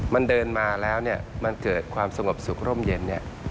มันเดินมาแล้วเนี่ยมันเกิดความสงบสุขร่มเย็นเนี่ย